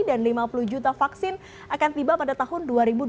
dan lima puluh juta vaksin akan tiba pada tahun dua ribu dua puluh satu